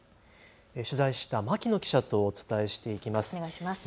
取材した牧野記者とお伝えしていきます。